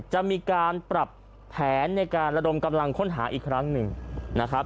จะมีการปรับแผนในการระดมกำลังค้นหาอีกครั้งหนึ่งนะครับ